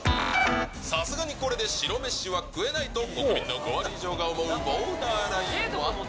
さすがにこれで白飯は食えないと国民の５割以上が思うボーダーラインは？